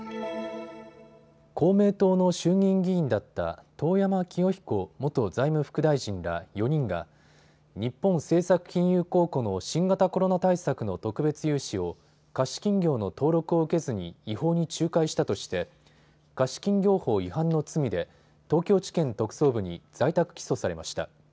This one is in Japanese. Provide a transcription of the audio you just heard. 公明党の衆議院議員だった遠山清彦元財務副大臣ら４人が日本政策金融公庫の新型コロナ対策の特別融資を貸金業の登録を受けずに違法に仲介したとして貸金業法違反の罪で東京地検特捜部に在宅起訴されました。